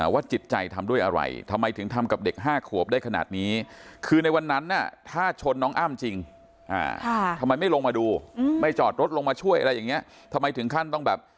จิตใจทำด้วยอะไรทำไมถึงทำกับเด็ก๕ขวบได้ขนาดนี้คือในวันนั้นถ้าชนน้องอ้ำจริงทำไมไม่ลงมาดูไม่จอดรถลงมาช่วยอะไรอย่างนี้ทำไมถึงขั้นต้องแบบ